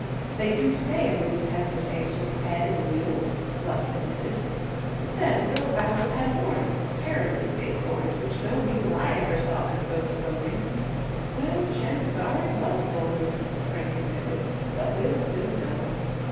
"They do say a moose has the same sort of a head as a mule," Bluff admitted; "but then Will vows it had horns—terribly big horns—which no mule I ever saw could boast of owning." "Well, chances are it was a bull moose," Frank admitted; "but we'll soon know."